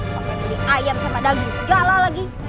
pake pedi ayam sama daging segala lagi